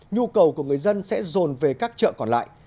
nhu cầu của người dân sẽ dồn về các chợ còn lại